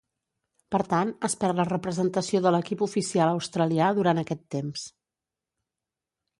Per tant, es perd la representació de l'equip oficial australià durant aquest temps.